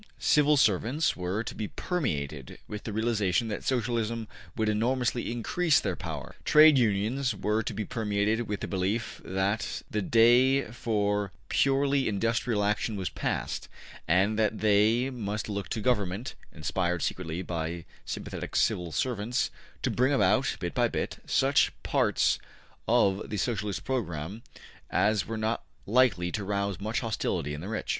'' Civil servants were to be permeated with the realization that Socialism would enormously increase their power. Trade Unions were to be permeated with the belief that the day for purely industrial action was past, and that they must look to government (inspired secretly by sympathetic civil servants) to bring about, bit by bit, such parts of the Socialist program as were not likely to rouse much hostility in the rich.